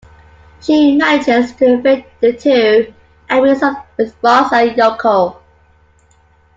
She manages to evade the two and meets up with Ross and Yoko.